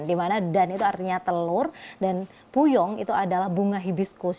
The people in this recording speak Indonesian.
dimana dan itu artinya telur dan puyong itu adalah bunga hibiscus